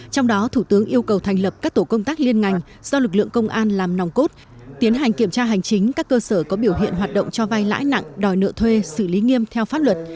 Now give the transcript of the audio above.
trong đó thủ tướng yêu cầu thành lập các tổ công tác liên ngành do lực lượng công an làm nòng cốt tiến hành kiểm tra hành chính các cơ sở có biểu hiện hoạt động cho vai lãi nặng đòi nợ thuê xử lý nghiêm theo pháp luật